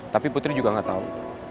tapi putri juga gak tau